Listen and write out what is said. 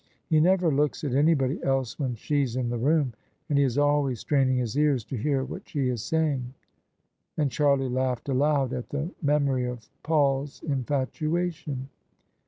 He never looks at anybody else when she's in the room, and he is always straining his ears to hear what she is saying." And Charlie laughed aloud at the memory of Paul's infatuation.